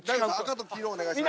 赤と黄色お願いします。